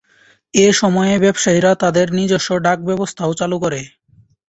এ সময়ে ব্যবসায়ীরা তাদের নিজস্ব ডাক ব্যবস্থাও চালুর করে।